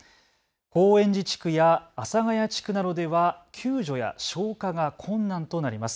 高円寺地区や阿佐谷地区などでは救助や消火が困難となります。